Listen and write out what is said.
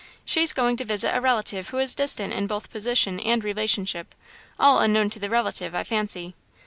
She's going to visit a relative who is distant in both position and relationship all unknown to the relative, I fancy.